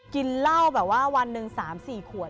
กินเหล้าแบบว่าวันหนึ่ง๓๔ขวด